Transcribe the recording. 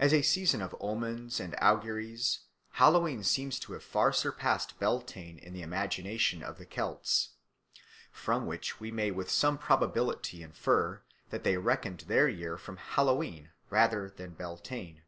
As a season of omens and auguries Hallowe'en seems to have far surpassed Beltane in the imagination of the Celts; from which we may with some probability infer that they reckoned their year from Hallowe'en rather than Beltane.